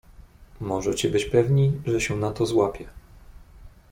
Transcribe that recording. "Możecie być pewni, że się na to złapie."